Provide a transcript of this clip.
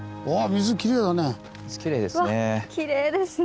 水きれいですね。